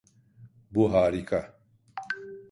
Bu harika!